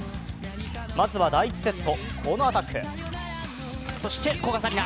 まずは第１セット、このアタック。